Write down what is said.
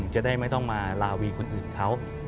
จะได้ไม่ต้องมาลาวีคนอื่นเขา